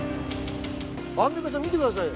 アンミカさん見てくださいよ。